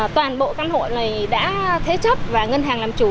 toàn bộ căn hộ này đã thế chấp và ngân hàng làm chủ